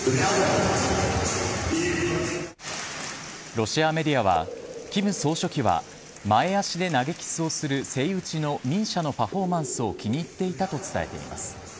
ロシアメディアは金総書記は前足で投げキスをするセイウチのミーシャのパフォーマンスを気に入っていたと伝えています。